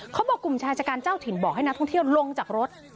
เขาบอกกลุ่มชายจัดการเจ้าถิ่นบอกให้นักท่องเที่ยวลงจากรถ